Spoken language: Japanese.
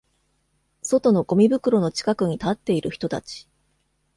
外のゴミ袋の近くに立っている人たち。